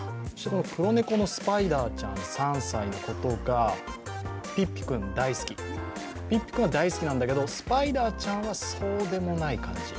黒猫のスパイダーちゃん、３歳のことがピッピ君は大好きなんだけどスパイダーちゃんはそうでもないと。